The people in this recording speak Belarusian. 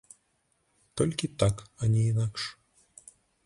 Толькі так, а не інакш.